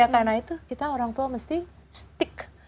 karena itu kita orang tua mesti stick